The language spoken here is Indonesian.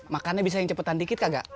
makannya bisa yang cepetan dikit gak